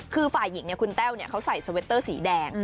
คือฝ่ายหญิงเนี่ยคุณแต้วเนี่ยเขาใส่สเว็ตเตอร์สีแดง